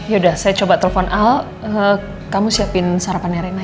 yaudah saya coba telepon al kamu siapin sarapannya rena ya